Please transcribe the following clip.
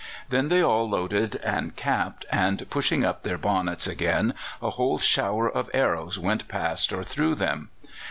Then they all loaded and capped, and, pushing up their bonnets again, a whole shower of arrows went past or through them.